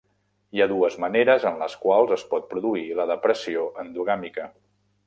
Hi ha dues maneres en les quals es pot produir la depressió endogàmica.